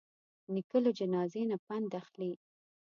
نیکه له جنازې نه پند اخلي.